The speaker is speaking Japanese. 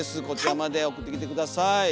こちらまで送ってきて下さい。